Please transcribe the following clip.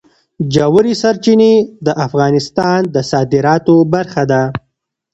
ژورې سرچینې د افغانستان د صادراتو برخه ده.